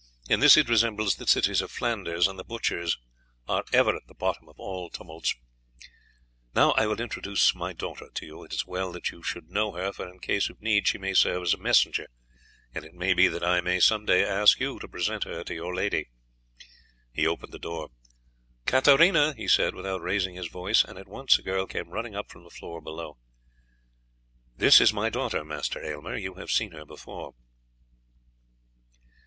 "In this it resembles the cities of Flanders, and the butchers are ever at the bottom of all tumults. Now I will introduce my daughter to you; it is well that you should know her, for in case of need she may serve as a messenger, and it may be that I may some day ask you to present her to your lady." He opened the door. "Katarina!" he said without raising his voice, and at once a girl came running up from the floor below. "This is my daughter, Master Aylmer; you have seen her before."